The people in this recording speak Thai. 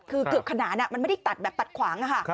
คือเกือบขนานมันไม่ได้ตัดแบบตัดขวางอะค่ะ